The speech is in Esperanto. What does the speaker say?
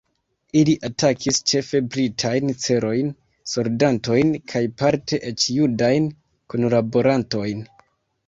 Ili atakis ĉefe britajn celojn, soldatojn kaj parte eĉ judajn kunlaborantojn.